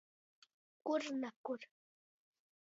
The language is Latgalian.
Kur nakur.